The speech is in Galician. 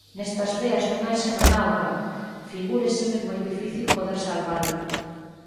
Nestas veas non hai senón auga! Figúraseme moi difícil poder salvalo...